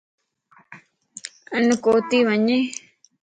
آن ڪوتي وڃين